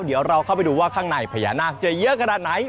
เดี๋ยวเราเข้าไปดูว่าข้างในพญานาคจะเยอะขนาดไหน